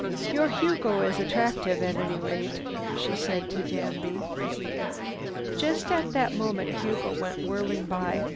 "Your Hugo is attractive at any rate," she said to Danby. Just at that moment Hugo went whirling by.